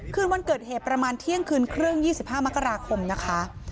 คืนวันเกิดเหตุประมาณเที่ยงคืนครึ่ง๒๕มกราคมนะคะ